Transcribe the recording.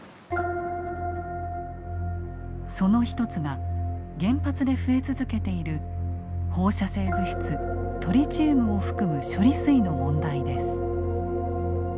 その一つが原発で増え続けている放射性物質トリチウムを含む処理水の問題です。